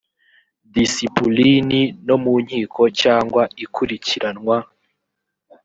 disipulini no mu nkiko cyangwa ikurikiranwa